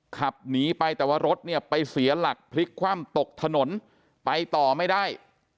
ขับหนีไปแต่ว่ารถเนี่ยไปเสียหลักพลิกคว่ำตกถนนไปต่อไม่ได้